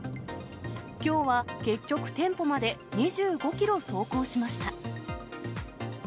きょうは結局、店舗まで２５キロ走行しました。